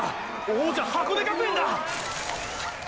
王者箱根学園だ！！